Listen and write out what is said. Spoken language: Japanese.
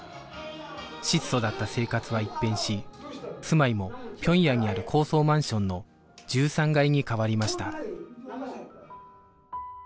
質素だった生活は一変し住まいも平壌にある高層マンションの１３階に変わりました